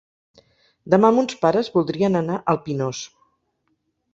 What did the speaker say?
Demà mons pares voldrien anar al Pinós.